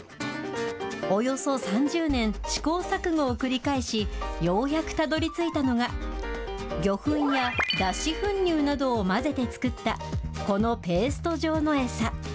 およそ３０年、試行錯誤を繰り返し、ようやくたどりついたのが、魚粉や脱脂粉乳などを混ぜて作った、このペースト状の餌。